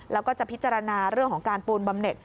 แล้วก็จะพิจารณาเรื่องของการปูนบำเน็ต